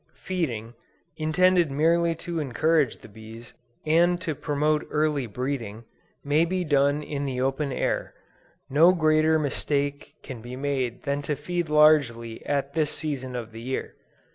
Feeding, intended merely to encourage the bees, and to promote early breeding, may be done in the open air. No greater mistake can be made than to feed largely at this season of the year.